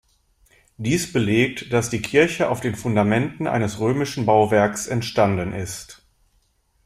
Dies belegt, dass die Kirche auf den Fundamenten eines römischen Bauwerks entstanden ist.